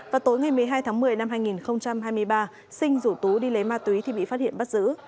vào tối ngày một mươi hai tháng một mươi năm hai nghìn hai mươi ba sinh rủ tú đi lấy ma túy thì bị phát hiện bắt giữ